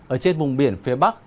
ở trên vùng biển phía bắc